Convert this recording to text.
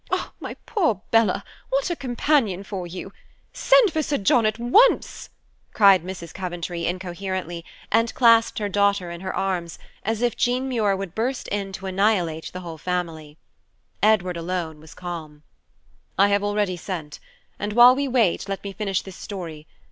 My poor Bella, what a companion for you! Send for Sir John at once!" cried Mrs. Coventry incoherently, and clasped her daughter in her arms, as if Jean Muir would burst in to annihilate the whole family. Edward alone was calm. "I have already sent, and while we wait, let me finish this story.